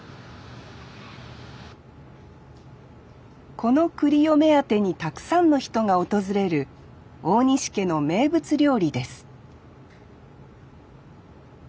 このくりを目当てにたくさんの人が訪れる大西家の名物料理です